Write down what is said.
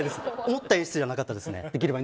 思った演出じゃなかったです。